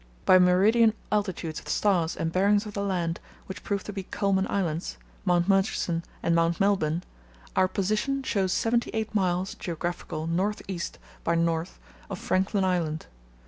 By meridian altitudes of stars and bearings of the land, which proved to be Coulman Islands, Mount Murchison, and Mount Melbourne, our position shows seventy eight miles (geographical) north east by north of Franklin Island.